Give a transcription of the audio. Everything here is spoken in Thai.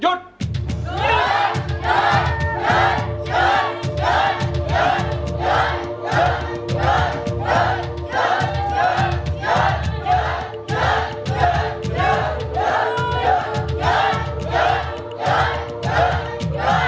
หยุดหยุดหยุดหยุด